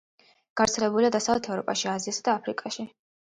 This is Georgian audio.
გავრცელებულია დასავლეთ ევროპაში, აზიასა და აფრიკაში.